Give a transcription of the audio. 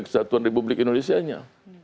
satuan republik indonesia nya